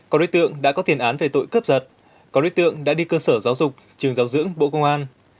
có đối tượng đã có tiền án về tội cướp giật có đối tượng đã đi cơ sở giáo dục trường giáo dưỡng bộ công an